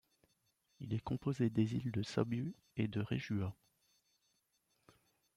Il est composé des îles de Sabu et de Raijua.